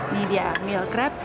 ini dia meal crab